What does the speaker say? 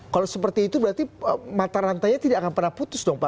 kalau seperti itu berarti mata rantainya tidak akan pernah putus dong pak